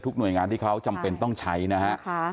หน่วยงานที่เขาจำเป็นต้องใช้นะฮะ